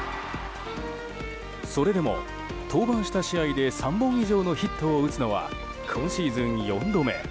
それでも、登板した試合で３本以上のヒットを打つのは今シーズン４度目。